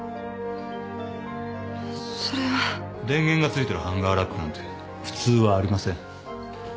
電源がついてるハンガーラックなんて普通はありません。